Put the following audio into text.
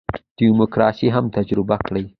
دیموکراسي هم تجربه کړي.